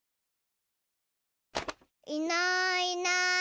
いないいない。